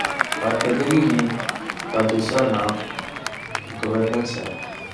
کارکردگی ہی کا دوسرا نام گورننس ہے۔